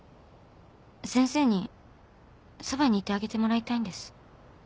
先生にそばにいてあげてもらいたいんです。